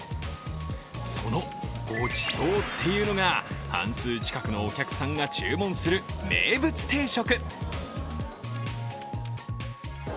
そのごちそうっていうのが半数近くのお客さんが注文する名物定食。